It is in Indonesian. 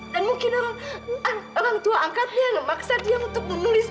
dan mungkin orang orang tua angkatnya yang memaksa dia untuk menulis